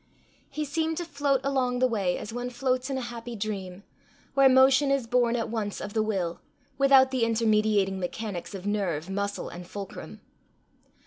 He seemed to float along the way as one floats in a happy dream, where motion is born at once of the will, without the intermediating mechanics of nerve, muscle, and fulcrum.